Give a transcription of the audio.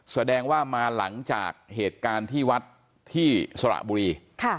แสดงว่ามาหลังจากเหตุการณ์ที่วัดที่สระบุรี